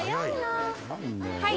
はい！